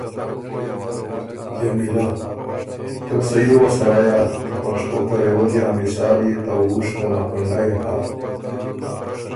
جمیلۀ: تُو بو صحیح غؤس سړیا! ته پشتو ته رېوجی ا مثال يې ته وُوش ته مکنډئ هۀ